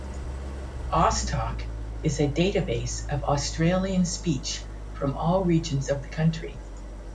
AusTalk is a database of Australian speech from all regions of the country.